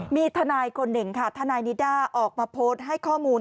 มีทนายคนหนึ่งค่ะทนายนิด้าออกมาโพสต์ให้ข้อมูล